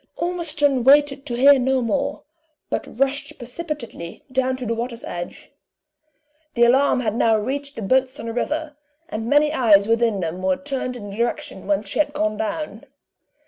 Ormiston, waited to hear no more, but rushed precipitately down to the waters edge. The alarm has now reached the boats on the river, and many eyes within them were turned in the direction whence she had gone down.